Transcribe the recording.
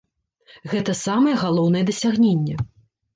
Гэта самае галоўнае дасягненне.